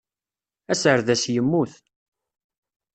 Aserdas yemmut.